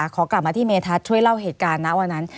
ขอกลับมาที่เมทัศน์ช่วยเล่าเหตุการณ์นะวันนั้น